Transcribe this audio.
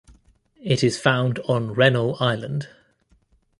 It is found on Rennell Island.